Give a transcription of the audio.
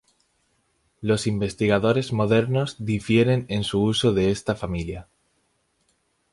Los investigadores modernos difieren en su uso de esta familia.